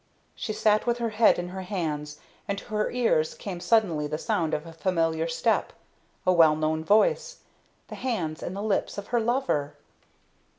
She sat with her head in her hands, and to her ears came suddenly the sound of a familiar step a well known voice the hands and the lips of her lover.